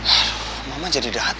aduh mama jadi dahat